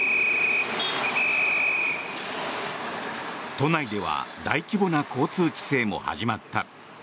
都内では大規模な交通規制も始まった。